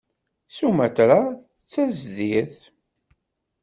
Sumatra d tadzirt.